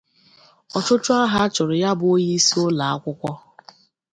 Ọchụchụ ahụ a chụrụ ya bụ onyeisi ụlọakwụkwọ